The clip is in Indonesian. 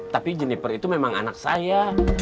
tapi jenniper itu memang anak saya